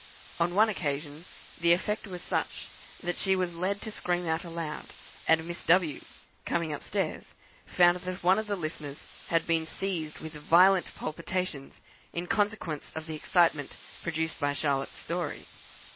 On one occasion the effect was such that she was led to scream out aloud, and Miss W , coming up stairs, found that one of the listeners had been seized with violent palpitations, in consequence of the excitement produced by Charlotte's story.